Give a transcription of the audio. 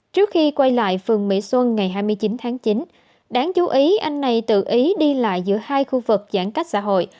trước khi quay lại phường mỹ xuân ngày hai mươi chín tháng chín đáng chú ý anh này tự ý đi lại giữa hai khu vực giãn cách xã hội